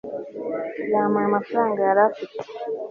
yampaye amafaranga yari afite